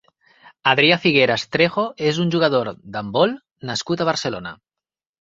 Adrià Figueras Trejo és un jugador d'handbol nascut a Barcelona.